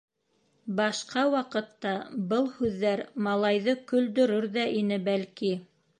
Башҡа ваҡытта был һүҙҙәр малайҙы көлдөрөр ҙә ине, бәлки.